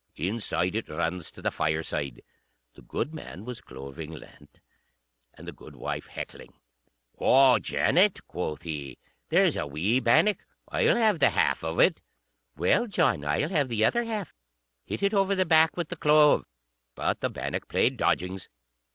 Inside it runs to the fireside. The goodman was cloving lint, and the goodwife heckling. "O Janet," quoth he, "there's a wee bannock; I'll have the half of it." "Well, John, I'll have the other half. Hit it over the back with the clove." But the bannock played dodgings.